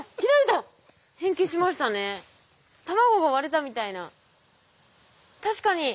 卵が割れたみたいな。